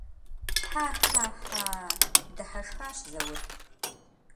Хьэ-хьэ-хьа! - дыхьэшхащ Заур.